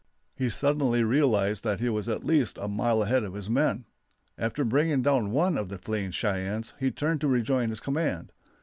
He suddenly realized that he was at least a mile ahead of his men. After bringing down one of the fleeing Cheyennes he turned to rejoin his command.